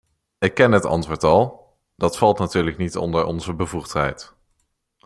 Ik ken het antwoord al: dat valt natuurlijk niet onder onze bevoegdheid.